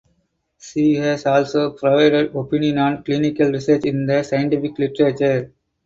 She has also provided opinion on clinical research in the scientific literature.